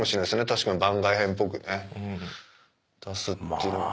確かに番外編っぽくね出すっていうのも。